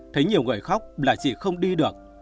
thấy nhiều người khóc là chị không đi được